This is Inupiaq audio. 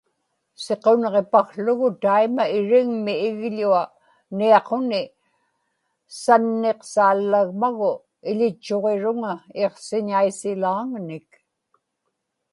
siqunġipakługu taima irigmi igḷua, niaquni sanniq-saallagmagu, iḷitchuġiruŋa iqsiñaisilaaŋanik